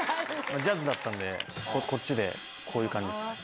ジャズだったんで、こっちで、こういう感じです。